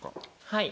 はい。